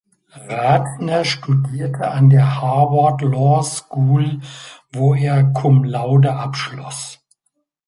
Ratner studierte an der Harvard Law School, wo er cum laude abschloss.